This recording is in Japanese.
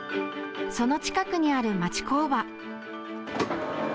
その近くにある町工場。